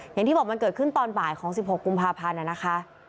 อย่างที่บอกมันเกิดขึ้นตอนบ่ายของ๑๖กุมภาพันธ์นะคะ